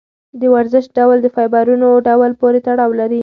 د ورزش ډول د فایبرونو ډول پورې تړاو لري.